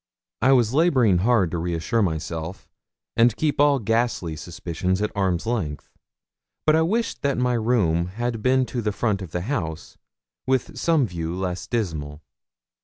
I was labouring hard to reassure myself, and keep all ghastly suspicions at arm's length. But I wished that my room had been to the front of the house, with some view less dismal.